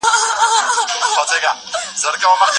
دا ورځ د ښځو د حقونو د مبارزې سمبول دی.